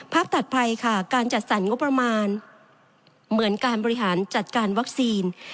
ถัดไปค่ะการจัดสรรงบประมาณเหมือนการบริหารจัดการวัคซีน